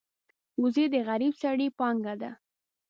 وزې د غریب سړي پانګه ده